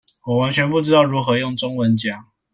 我完全不知道如何用中文講